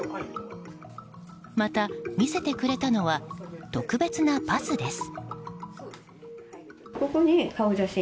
また、見せてくれたのは特別なパスです。